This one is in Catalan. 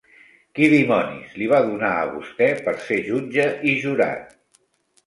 Qui dimonis li va donar a vostè per ser jutge i jurat.